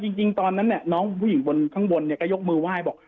จริงตอนนั้นน้องผู้หญิงบนข้างบนเนี่ยก็ยกมือไหว้บอก